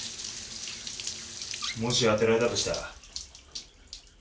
もし当てられたとしたら？